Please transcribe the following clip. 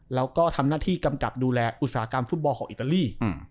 แล้วก็ทำหน้าที่กำกับดูแลอุตสาหกรรมฟุตบอลของอิตาลี